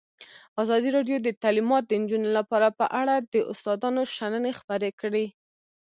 ازادي راډیو د تعلیمات د نجونو لپاره په اړه د استادانو شننې خپرې کړي.